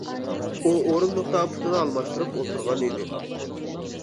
ئۇ ئورۇندۇقتا پۇتىنى ئالماشتۇرۇپ ئولتۇرغان ئىدى.